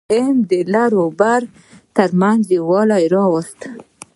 پي ټي ايم د لر او بر ترمنځ يووالي راوست.